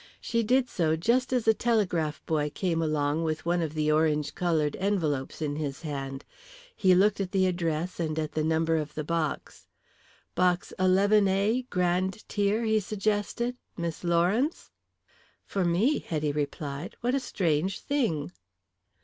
She did so just as a telegraph boy came along with one of the orange coloured envelopes in his hand. He looked at the address and at the number of the box. "Box 11a, grand tier?" he suggested. "Miss Lawrence?" "For me," Hetty replied. "What a strange thing!"